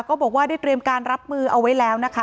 ก็บอกว่าได้เตรียมการรับมือเอาไว้แล้วนะคะ